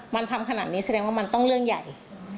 มันทำขนาดนี้แสดงว่ามันต้องเรื่องใหญ่